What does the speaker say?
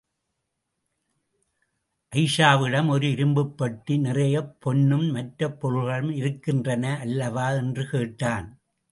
அயீஷாவிடம், ஒரு இரும்புப்பெட்டி நிறையப் பொன்னும், மற்ற பொருள்களும் இருக்கின்றன அல்லவா? என்று கேட்டான்.